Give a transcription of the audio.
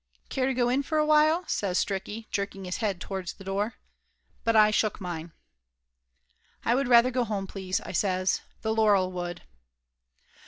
"Care to go in for a while?" says Stricky, jerking his head towards the door. But I shook mine. "I'd rather go home, please," I says. "The Laurel wood."